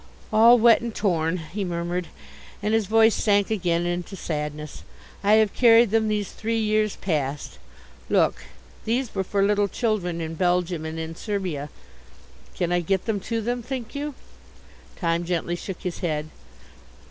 "All wet and torn!" he murmured, and his voice sank again into sadness. "I have carried them these three years past. Look! These were for little children in Belgium and in Serbia. Can I get them to them, think you?" Time gently shook his head.